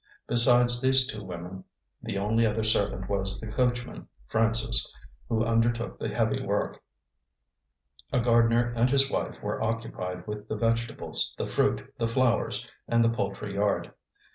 Besides these two women, the only other servant was the coachman, Francis, who undertook the heavy work. A gardener and his wife were occupied with the vegetables, the fruit, the flowers, and the poultry yard.